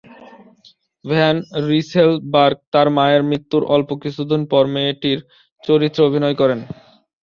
Van Rysselberghe তার মায়ের মৃত্যুর অল্প কিছুদিন পর মেয়েটির চরিত্রে অভিনয় করেন।